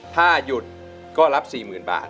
ถ้าหยุดก็รับสี่หมื่นบาท